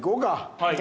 はい。